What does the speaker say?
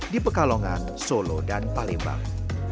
di pekalongan solo dan palembang